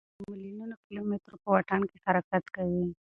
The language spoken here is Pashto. دا تیږه د میلیونونو کیلومترو په واټن کې حرکت کوي.